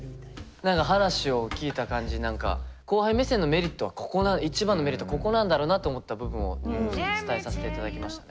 何か話を聞いた感じ何か後輩目線のメリットはここ一番のメリットはここなんだろうなと思った部分を伝えさせていただきましたね。